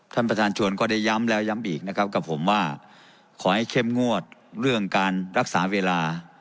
ท่านประธานชวนก็ได้ย้ำแล้วย้ำอีกนะครับกับผมว่าขอให้เข้มงวดเรื่องการรักษาเวลา